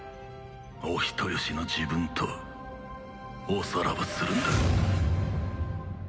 お人よしの自分とおさらばするんだ。